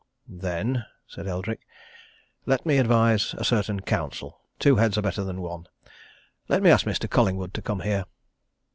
"Then," said Eldrick, "let me advise a certain counsel. Two heads are better than one. Let me ask Mr. Collingwood to come here."